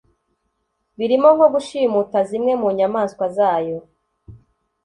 birimo nko gushimuta zimwe mu nyamaswa zayo